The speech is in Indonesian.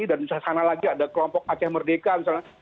dan sana sana lagi ada kelompok aceh merdeka misalnya